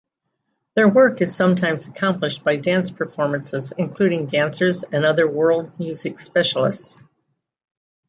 Their work is sometimes accompanied by dance performances, including dancers and other world-music specialists.